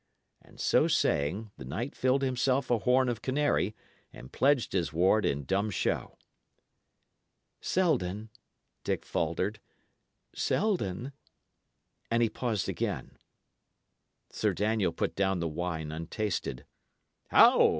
And so saying, the knight filled himself a horn of canary, and pledged his ward in dumb show. "Selden," Dick faltered "Selden" And he paused again. Sir Daniel put down the wine untasted. "How!"